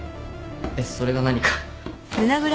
えっそれが何か？